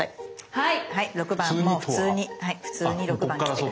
はい。